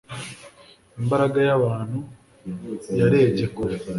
Imbaga y'abantu yarebye kure.